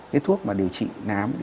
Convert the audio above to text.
cái thuốc mà điều trị nám